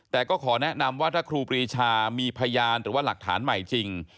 แต่ก็ขอแนะนำว่าถ้าครูปรีชามีพยานหรือว่าหลักฐานใหม่จริง